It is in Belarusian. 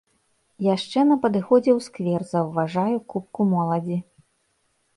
Яшчэ на падыходзе ў сквер заўважаю купку моладзі.